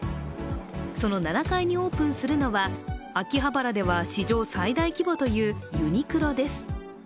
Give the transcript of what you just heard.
その７階にオープンするのは秋葉原では史上最大規模というユニクロです。